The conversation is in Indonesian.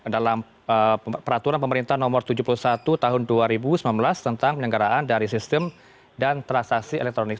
dalam peraturan pemerintah nomor tujuh puluh satu tahun dua ribu sembilan belas tentang penyelenggaraan dari sistem dan transaksi elektronik